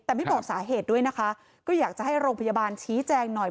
แต่ไม่บอกสาเหตุด้วยนะคะก็อยากจะให้โรงพยาบาลชี้แจงหน่อย